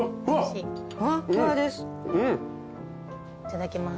いただきます。